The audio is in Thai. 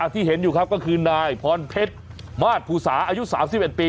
ที่เห็นอยู่ครับก็คือนายพรเพชรมาสภูสาอายุ๓๑ปี